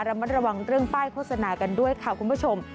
ระมัดระวังเรื่องป้ายโฆษณากันด้วยค่ะคุณผู้ชม